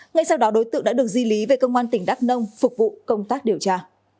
ngay sau đó đối tượng đã được di lý về công an tỉnh đắk nông phục vụ công tác điều tra